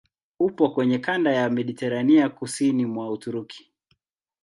Upo kwenye kanda ya Mediteranea kusini mwa Uturuki.